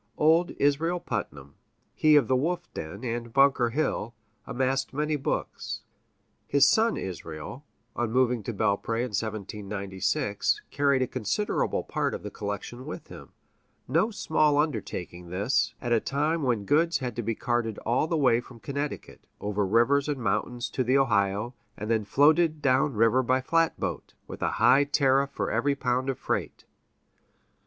Old Israel Putnam, he of the wolf den and Bunker Hill, amassed many books. His son Israel, on moving to Belpré in 1796, carried a considerable part of the collection with him no small undertaking this, at a time when goods had to be carted all the way from Connecticut, over rivers and mountains to the Ohio, and then floated down river by flatboat, with a high tariff for every pound of freight.